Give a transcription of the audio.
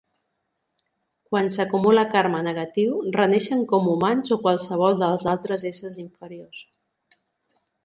Quan s'acumula karma negatiu, reneixen com humans o qualsevol dels altres éssers inferiors.